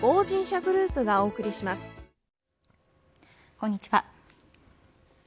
こんにちは。